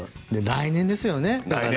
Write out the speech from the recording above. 来年ですよね。